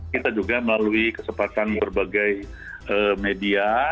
kita juga melalui kesempatan berbagai media